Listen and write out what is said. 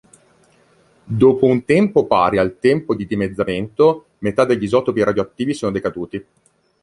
Dopo un tempo pari al tempo di dimezzamento, metà degli isotopi radioattivi sono decaduti.